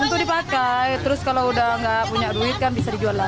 untuk dipakai terus kalau udah nggak punya duit kan bisa dijual lagi